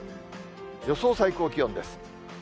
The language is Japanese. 予想最高気温です。